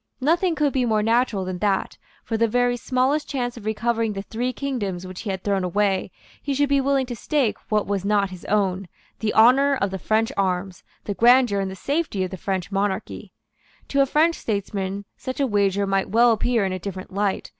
Nothing could be more natural than that, for the very smallest chance of recovering the three kingdoms which he had thrown away, he should be willing to stake what was not his own, the honour of the French arms, the grandeur and the safety of the French monarchy. To a French statesman such a wager might well appear in a different light.